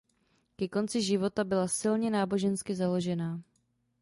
Ke konci života byla silně nábožensky založena.